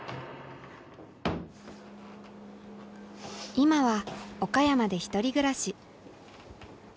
今は岡山で１人暮らし。